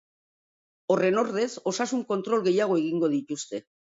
Horren ordez, osasun kontrol gehiago egingo dituzte.